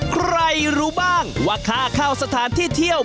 ใครรู้บ้างว่าค่าเข้าสถานที่เที่ยว